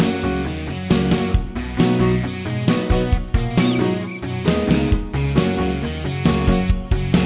ibu bingung nanti nanti mereka akan aktif nanti